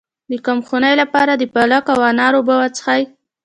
د کمخونۍ لپاره د پالک او انار اوبه وڅښئ